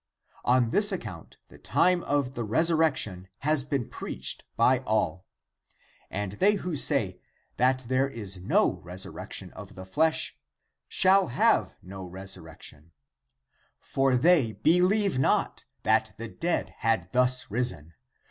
23. On this account the time of the resurrection has been preached by all.]^^ 24. And they who say 28 that there is no resurrection of the flesh, shall have no resurrection, 25. For they believe not that the Dead had thus risen.